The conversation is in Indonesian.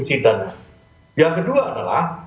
bagaimana amanah konstitusi dan yang kedua adalah